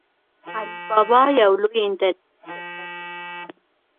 علي بابا یو لوی انټرنیټي شرکت دی.